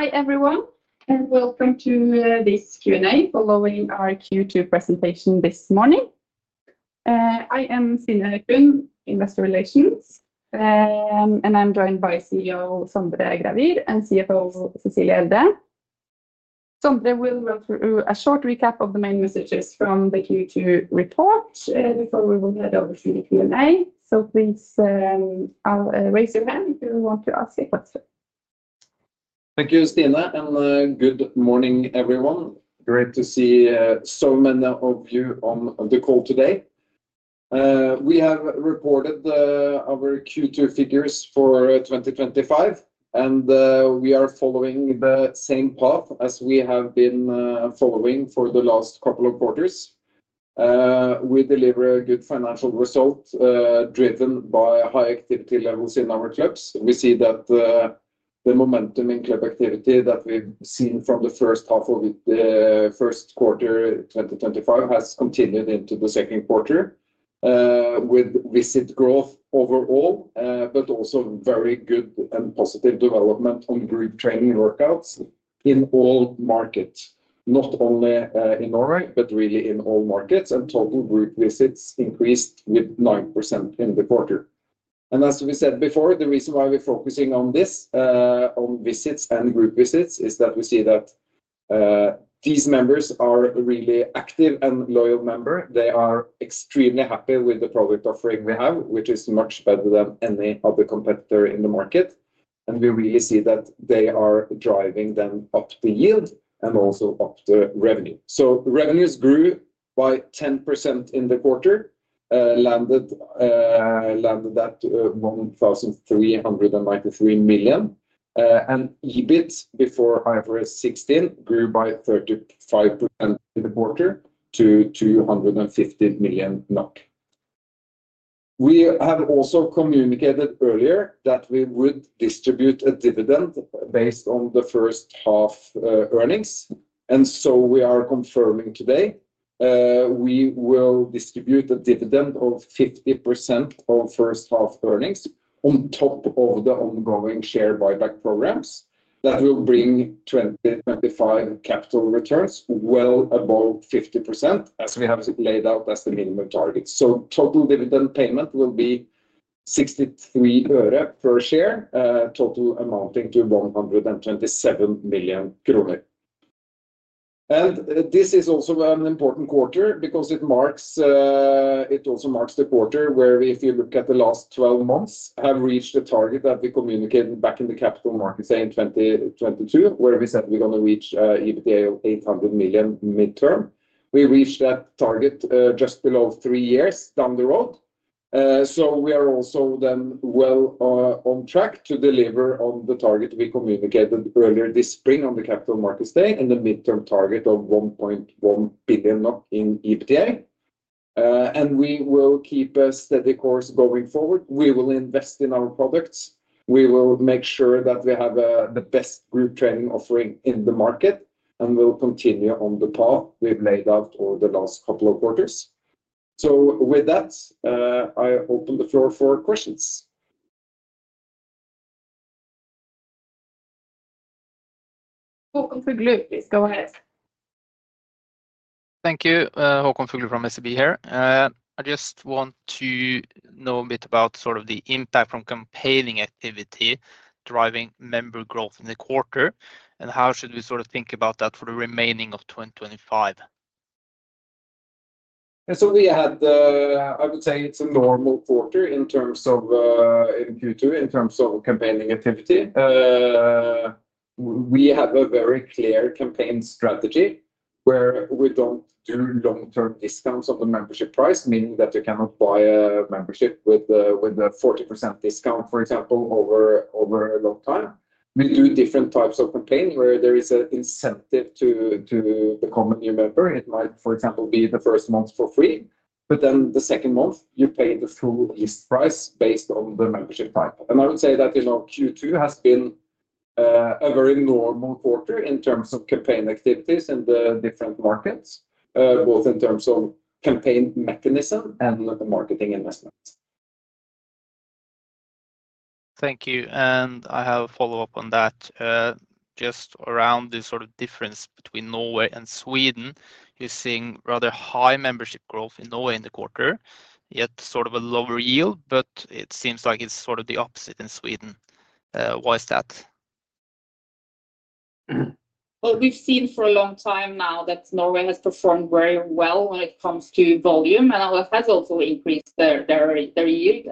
Hi everyone, and welcome to this Q&A following our Q2 presentation this morning. I am Stine Klund, Investor Relations, and I'm joined by CEO Sondre Gravir and CFO Cecilie Elde. Sondre will go through a short recap of the main messages from the Q2 report before we will head over to the Q&A. Please raise your hand if you want to ask a question. Thank you, Stine, and good morning everyone. Great to see so many of you on the call today. We have reported our Q2 figures for 2025, and we are following the same path as we have been following for the last couple of quarters. We deliver a good financial result driven by high activity levels in our clubs. We see that the momentum in club activity that we've seen from the first half of the first quarter of 2025 has continued into the second quarter, with recent growth overall, but also very good and positive development on group training workouts in all markets, not only in Norway, but really in all markets. Total group visits increased by 9% in the quarter. As we said before, the reason why we're focusing on this, on visits and group visits, is that we see that these members are really active and loyal members. They are extremely happy with the product offering we have, which is much better than any other competitor in the market. We really see that they are driving them up the yield and also up the revenue. Revenues grew by 10% in the quarter, landed at 1,393 million. EBIT before hybrid 16 grew by 35% in the quarter to 215 million NOK. We have also communicated earlier that we would distribute a dividend based on the first half earnings. We are confirming today, we will distribute a dividend of 50% of first half earnings on top of the ongoing share buyback programs that will bring 2025 capital returns well above 50%, as we have laid out as the minimum target. Total dividend payment will be NOK 6.3 per share, total amounting to 127 million kroner. This is also an important quarter because it marks, it also marks the quarter where we, if you look at the last 12 months, have reached the target that we communicated back in the capital markets in 2022, where we said we're going to reach EBITDA of 800 million midterm. We reached that target just below three years down the road. We are also then well on track to deliver on the target we communicated earlier this spring on the capital markets day and the midterm target of 1.1 billion in EBITDA. We will keep a steady course going forward. We will invest in our products. We will make sure that we have the best group training offering in the market and will continue on the path we've laid out over the last couple of quarters. With that, I open the floor for questions. Håkon Fugle, please go ahead. Thank you. Håkon Fugle from SEB here. I just want to know a bit about the impact from campaigning activity driving member growth in the quarter, and how should we think about that for the remaining of 2025? Yeah, we had, I would say, it's a normal quarter in Q2 in terms of campaigning activity. We have a very clear campaign strategy where we don't do long-term discounts on the membership price, meaning that you cannot buy a membership with a 40% discount, for example, over a long time. We do different types of campaigns where there is an incentive to become a new member. It might, for example, be the first month for free, but then the second month you pay the full gift price based on the membership type. I would say that Q2 has been a very normal quarter in terms of campaign activities in the different markets, both in terms of campaign mechanism and marketing investments. Thank you. I have a follow-up on that. Just around the sort of difference between Norway and Sweden, you're seeing rather high membership growth in Norway in the quarter, yet sort of a lower yield, but it seems like it's sort of the opposite in Sweden. Why is that? Norway has performed very well when it comes to volume, and all of that has also increased their yield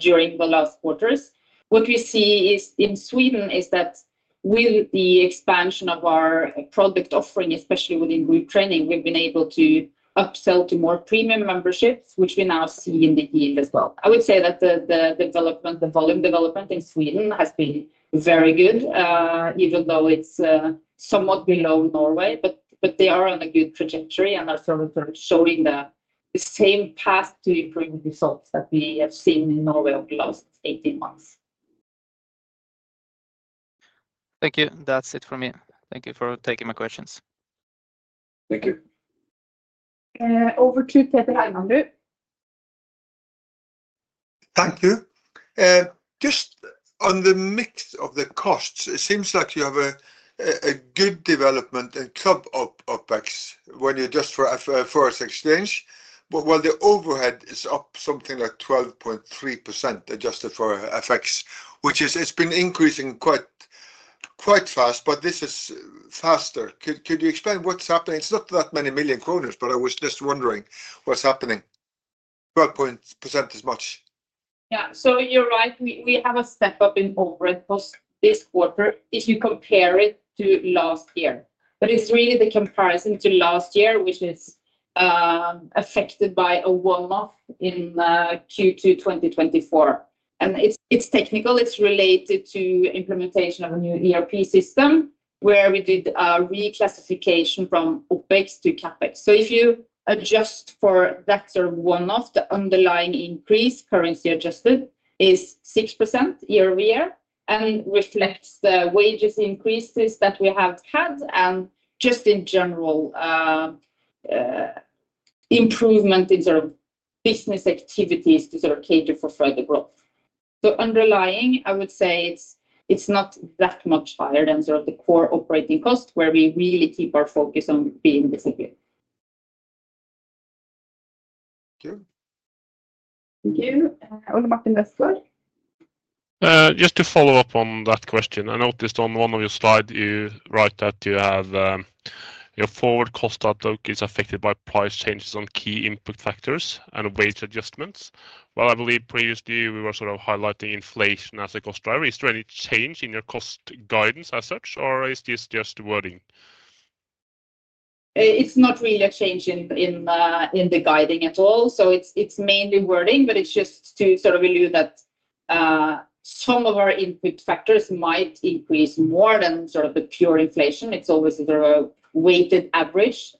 during the last quarters. What we see in Sweden is that with the expansion of our product offering, especially within group training, we've been able to upsell to more premium memberships, which we now see in the yield as well. I would say that the development, the volume development in Sweden has been very good, even though it's somewhat below Norway, but they are on a good trajectory and are showing the same path to improving results that we have seen in Norway over the last 18 months. Thank you. That's it for me. Thank you for taking my questions. Thank you. Over to Peter Hellander. Thank you. Just on the mix of the costs, it seems like you have a good development in club OpEx when you adjust for FX change, but when the overhead is up something like 12.3% adjusted for FX, which has been increasing quite fast, this is faster. Could you explain what's happening? It's not that many million kroner, but I was just wondering what's happening. 12% is much. Yeah, so you're right. We have a step up in overhead costs this quarter if you compare it to last year. It's really the comparison to last year, which is affected by a one-off in Q2 2024. It's technical. It's related to the implementation of a new ERP system where we did a reclassification from OpEx to CapEx. If you adjust for that sort of one-off, the underlying increase, currency adjusted, is 6% year-over-year. It reflects the wage increases that we have had and just in general improvement in sort of business activities to cater for further growth. Underlying, I would say it's not that much higher than the core operating cost where we really keep our focus on being disciplined. Thank you. I will move to the next one. Just to follow up on that question, I noticed on one of your slides, you write that your forward cost outlook is affected by price changes on key input factors and wage adjustments. I believe previously we were sort of highlighting inflation as a cost driver. Is there any change in your cost guidance as such, or is this just wording? It's not really a change in the guiding at all. It's mainly wording, but it's just to sort of allude that some of our input factors might increase more than the pure inflation. It's always a weighted average.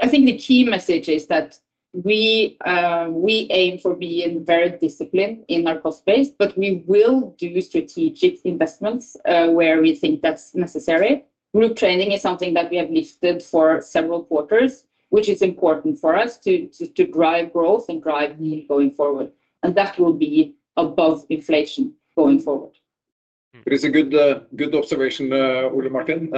I think the key message is that we aim for being very disciplined in our cost base, but we will do strategic investments where we think that's necessary. Group training is something that we have listed for several quarters, which is important for us to drive growth and drive yield going forward. That will be above inflation going forward. That is a good observation, Ole Martin.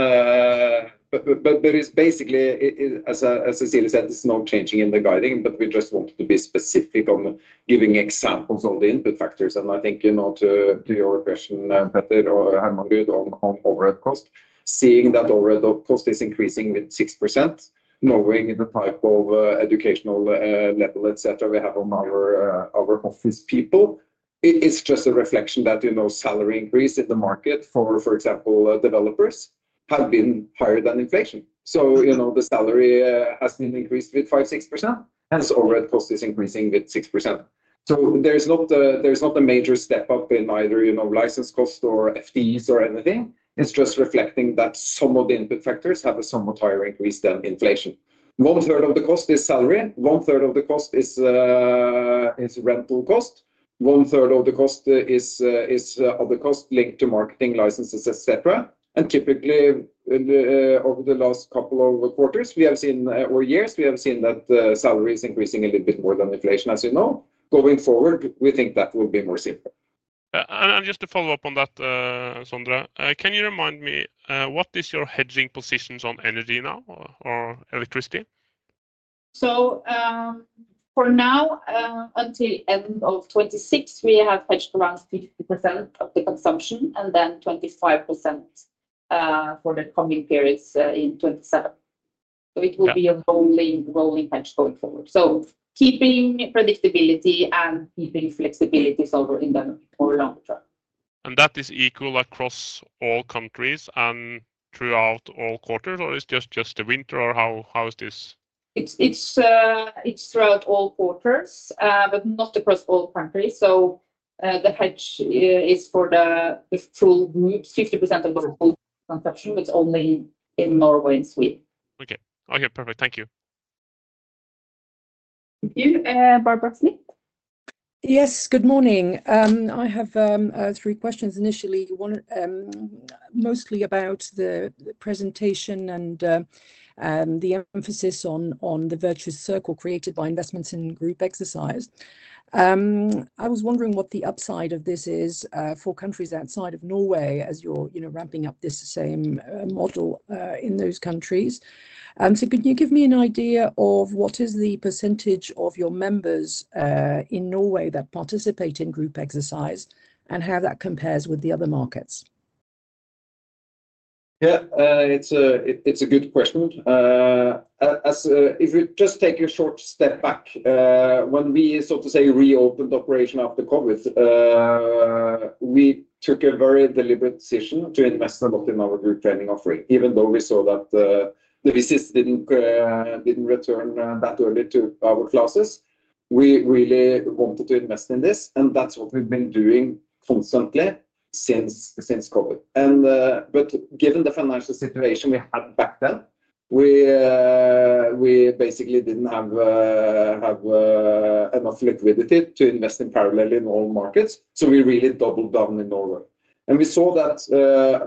As Cecilie said, it's not changing in the guiding, but we just want to be specific on giving examples of the input factors. I think, to your question, Ole, I'm good on overhead cost. Seeing that overhead cost is increasing with 6%, knowing the type of educational level, etc., we have on our office people, it is just a reflection that salary increase in the market for, for example, developers have been higher than inflation. The salary has been increased with 5%-6%, hence overhead cost is increasing with 6%. There is not a major step up in either license cost or FTEs or anything. It's just reflecting that some of the input factors have a somewhat higher increase than inflation. One third of the cost is salary. One third of the cost is rental cost. One third of the cost is other costs linked to marketing, licenses, etc. Typically, over the last couple of quarters or years, we have seen that salaries increasing a little bit more than inflation, as you know. Going forward, we think that will be more simple. Just to follow up on that, Sondre, can you remind me what is your hedging positions on energy now or electricity? For now, until the end of 2026, we have hedged around 50% of the consumption and then 25% for the coming periods in 2027, which will be a rolling hedge going forward. Keeping predictability and keeping flexibility is over in them. Is that equal across all countries and throughout all quarters, or is it just the winter, or how is this? It's throughout all quarters, but not across all countries. The hedge is for the full group's 50% of the whole transaction, which is only in Norway and Sweden. Okay, perfect. Thank you. Thank you. Barbara Smith. Yes, good morning. I have three questions. Initially, mostly about the presentation and the emphasis on the virtuous circle created by investments in group exercise. I was wondering what the upside of this is for countries outside of Norway as you're ramping up this same model in those countries. Could you give me an idea of what is the percentage of your members in Norway that participate in group exercise and how that compares with the other markets? Yeah, it's a good question. If you just take a short step back, when we so to say reopened operation after COVID, we took a very deliberate decision to invest some of it in our group training offering. Even though we saw that the visits didn't return that early to our classes, we really wanted to invest in this. That's what we've been doing constantly since COVID. Given the financial situation we had back then, we basically didn't have enough liquidity to invest in parallel in all markets. We really doubled down in Norway. We saw that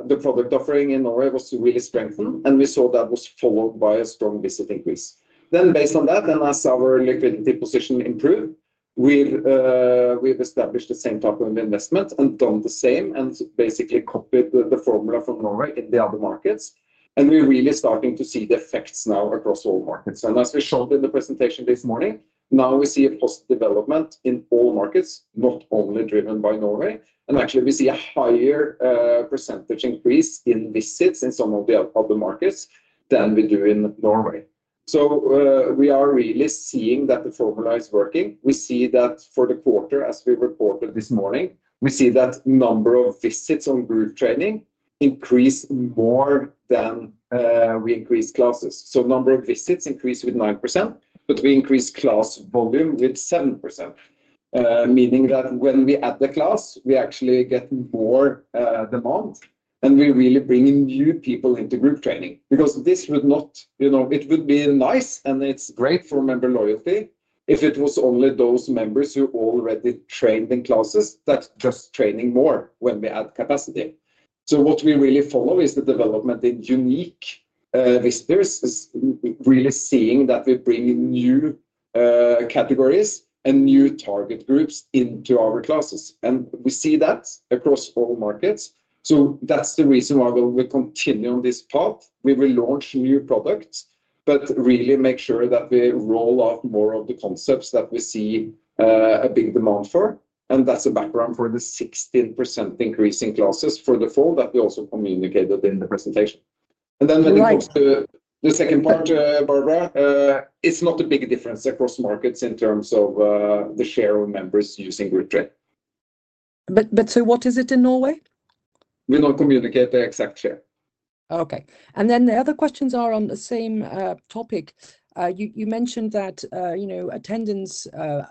the product offering in Norway was really strengthened, and we saw that was followed by a strong visit increase. Based on that, and as our liquidity position improved, we've established the same type of investments and done the same and basically copied the formula for Norway in the other markets. We're really starting to see the effects now across all markets. As I showed in the presentation this morning, now we see a cost development in all markets, not only driven by Norway. Actually, we see a higher percentage increase in visits in some of the other markets than we do in Norway. We are really seeing that the formula is working. We see that for the quarter, as we reported this morning, we see that the number of visits on group training increased more than we increased classes. The number of visits increased with 9%, but we increased class volume with 7%. Meaning that when we add the class, we actually get more demand and we really bring in new people into group training. Because this would not, you know, it would be nice and it's great for member loyalty if it was only those members who already trained in classes that just train more when we add capacity. What we really follow is the development in unique visitors, really seeing that we bring new categories and new target groups into our classes. We see that across all markets. That's the reason why we continue on this path. We will launch new products, but really make sure that we roll out more of the concepts that we see a big demand for. That's a background for the 16% increase in classes for the fall that we also communicated in the presentation. When it comes to the second point, Barbara, it's not a big difference across markets in terms of the share of members using group training. What is it in Norway? We don't communicate the exact share. Okay. The other questions are on the same topic. You mentioned that, you know, attendance,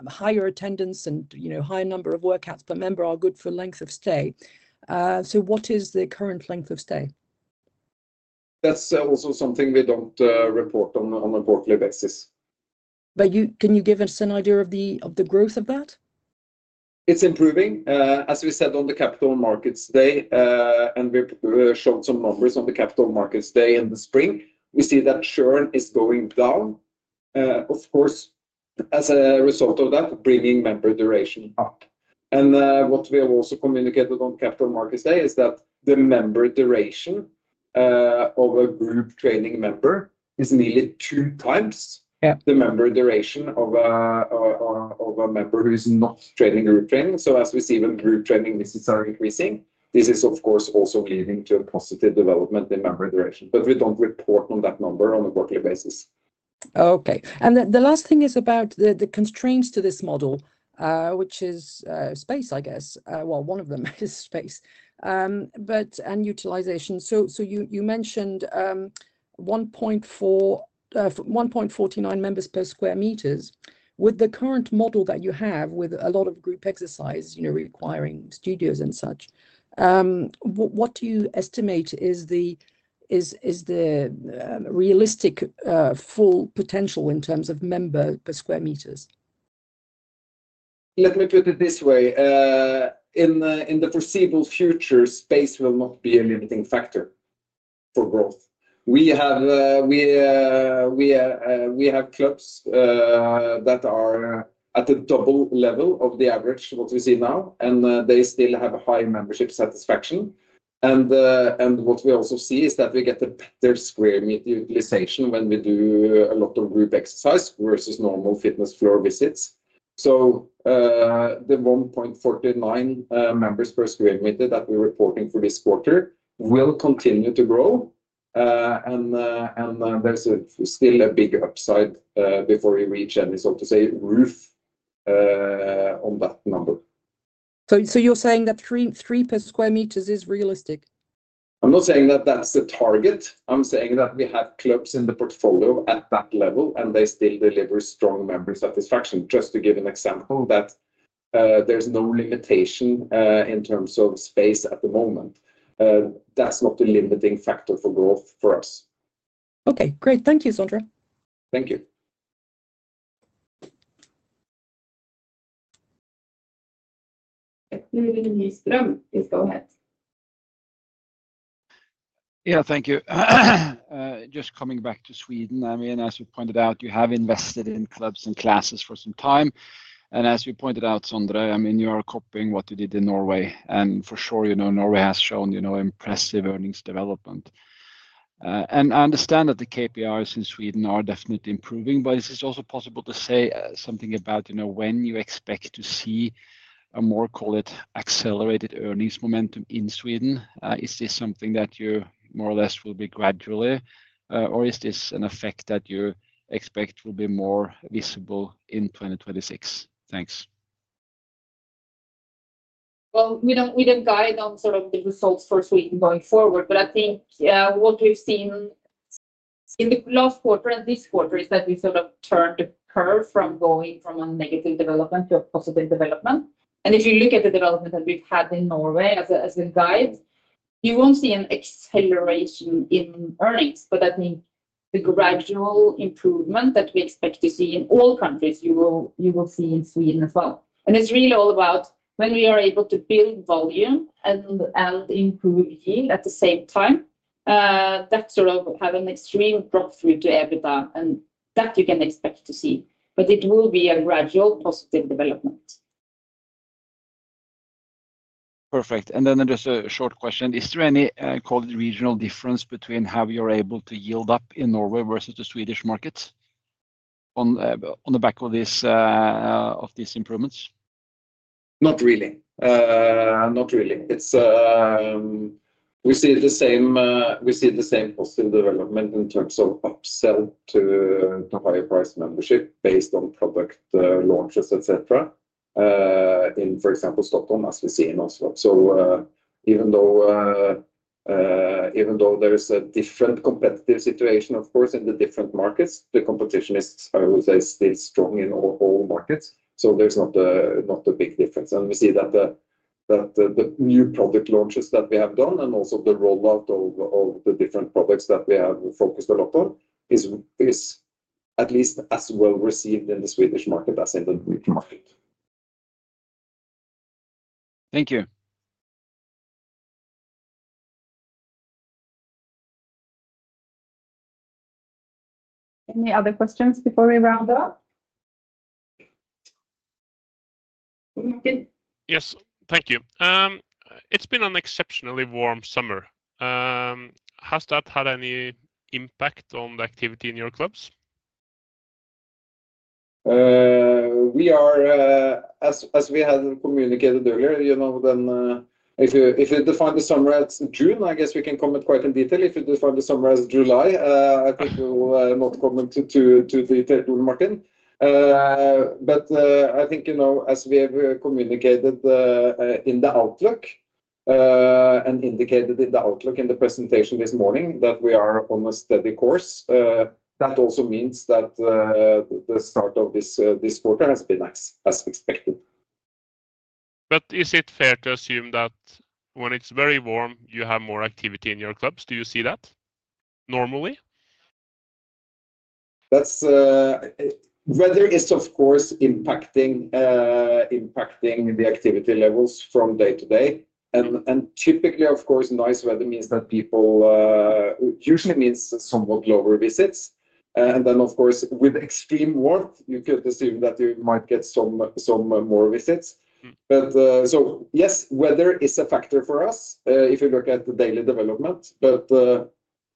higher attendance, and, you know, higher number of workouts per member are good for length of stay. What is the current length of stay? That's also something we don't report on a quarterly basis. Can you give us an idea of the growth of that? It's improving. As we said on the capital markets day, and we showed some numbers on the capital markets day in the spring, we see that churn is going down. Of course, as a result of that, bringing member duration up. What we have also communicated on capital markets day is that the member duration of a group training member is nearly two times the member duration of a member who is not training group training. As we see when group training visits are increasing, this is of course also leading to a positive development in member duration. We don't report on that number on a quarterly basis. Okay. The last thing is about the constraints to this model, which is space, I guess. One of them is space and utilization. You mentioned 1.49 members per square meter. With the current model that you have with a lot of group exercise, you know, requiring studios and such, what do you estimate is the realistic full potential in terms of member per square meter? Let me put it this way. In the foreseeable future, space will not be a limiting factor for growth. We have clubs that are at the top level of the average, what we see now, and they still have a high membership satisfaction. What we also see is that we get a better square meter utilization when we do a lot of group training versus normal fitness floor visits. The 1.49 members per square meter that we're reporting for this quarter will continue to grow. There's still a big upside before we reach any, so to say, roof on that number. You're saying that three per square meter is realistic? I'm not saying that that's the target. I'm saying that we have clubs in the portfolio at that level, and they still deliver strong member satisfaction. Just to give an example, there's no limitation in terms of space at the moment. That's not a limiting factor for growth for us. Okay, great. Thank you, Sondre. Thank you. please go ahead. Yeah, thank you. Just coming back to Sweden, as we pointed out, you have invested in clubs and classes for some time. As we pointed out, Sondre, you are copying what you did in Norway. For sure, Norway has shown impressive earnings development. I understand that the KPIs in Sweden are definitely improving, but is it also possible to say something about when you expect to see a more, call it, accelerated earnings momentum in Sweden? Is this something that you more or less will be gradually, or is this an effect that you expect will be more visible in 2026? Thanks. We do not guide on sort of the results for Sweden going forward, but I think what we've seen in the last quarter and this quarter is that we sort of turned the curve from going from a negative development to a positive development. If you look at the development that we've had in Norway as a guide, you will not see an acceleration in earnings, but I think the gradual improvement that we expect to see in all countries, you will see in Sweden as well. It is really all about when we are able to build volume and improve yield at the same time, that sort of had an extreme cross-route to EBITDA, and that you can expect to see. It will be a gradual positive development. Perfect. Just a short question. Is there any quality, regional difference between how you're able to yield up in Norway versus the Swedish markets on the back of these improvements? Not really. We see the same positive development in terms of upsell to higher price membership based on product launches, etc. In, for example, Stockholm, as we see in Oslo. Even though there is a different competitive situation, of course, in the different markets, the competition is, I would say, still strong in all markets. There's not a big difference. We see that the new product launches that we have done and also the rollout of the different products that we have developed is at least as well received in the Swedish market as in the Norwegian market. Thank you. Any other questions before we round off? Yes, thank you. It's been an exceptionally warm summer. Has that had any impact on the activity in your clubs? We are, as we had communicated earlier, you know, if you define the summer as June, I guess we can comment quite in detail. If you define the summer as July, I could not comment too detailed, Ole Martin. I think, you know, as we have communicated in the outlook and indicated in the outlook in the presentation this morning, that we are on a steady course. That also means that the start of this quarter has been as expected. Is it fair to assume that when it's very warm, you have more activity in your clubs? Do you see that normally? Weather is, of course, impacting the activity levels from day to day. Typically, of course, nice weather usually means somewhat lower visits. With extreme warmth, you could assume that you might get some more visits. Yes, weather is a factor for us if you look at the daily development.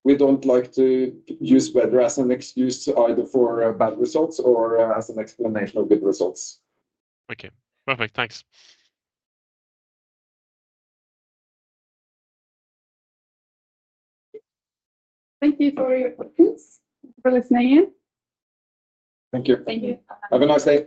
We don't like to use weather as an excuse either for bad results or as an explanation of good results. Okay, perfect. Thanks. Thank you for your questions, for listening in. Thank you. Thank you. Have a nice day.